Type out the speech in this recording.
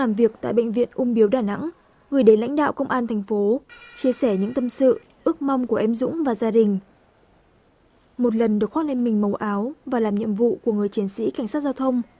một lần được khoác lên mình màu áo và làm nhiệm vụ của người chiến sĩ cảnh sát giao thông